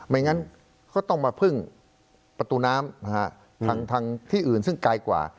ไม่งั้นก็ต้องมาพึ่งประตูน้ำทางที่อื่นซึ่งไกลกว่า